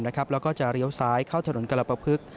แล้วก็จะเลี้ยวซ้ายเข้าถนนกรปภึก